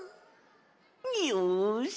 よし！